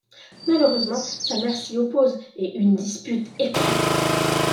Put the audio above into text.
Malheureusement sa mère s'y oppose et une dispute éclate.